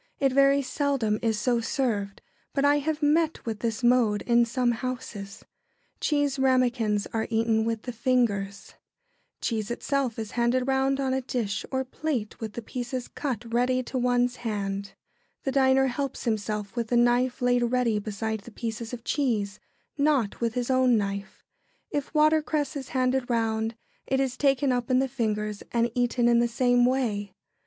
It very seldom is so served, but I have met with this mode in some houses. Cheese ramequins are eaten with the fingers. [Sidenote: Cheese, how served.] Cheese itself is handed round on a dish or plate with the pieces cut ready to one's hand. [Sidenote: Cheese, how eaten.] The diner helps himself with the knife laid ready beside the pieces of cheese, not with his own knife. If watercress is handed round, it is taken up in the fingers and eaten in the same way.